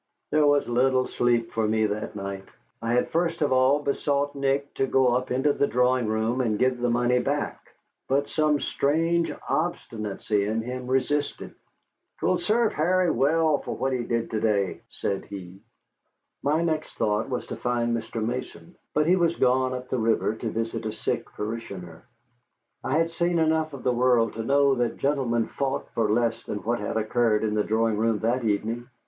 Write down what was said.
There was little sleep for me that night. I had first of all besought Nick to go up into the drawing room and give the money back. But some strange obstinacy in him resisted. "'Twill serve Harry well for what he did to day," said he. My next thought was to find Mr. Mason, but he was gone up the river to visit a sick parishioner. I had seen enough of the world to know that gentlemen fought for less than what had occurred in the drawing room that evening.